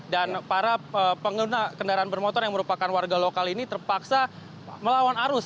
dan para pengguna kendaraan bermotor yang merupakan warga lokal ini terpaksa melawan arus